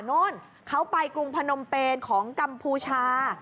โน่นเขาไปกรุงพนมเปนของกัมพูชา